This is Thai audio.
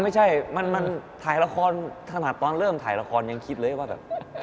ไม่ใช่มันถ่ายละครขนาดตอนเริ่มถ่ายละครยังคิดเลยว่าแบบ